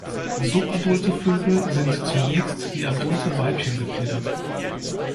Subadulte Vögel sind zunächst wie adulte Weibchen gefiedert.